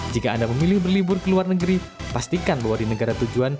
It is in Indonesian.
jika anda memilih berlibur ke luar negeri pastikan bahwa di negara tujuan